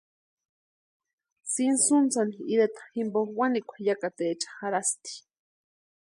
Tsʼintsutsani ireta jimpo wanikwa yakataecha jarhasti.